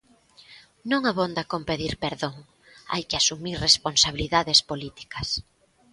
Non abonda con pedir perdón, hai que asumir responsabilidades políticas.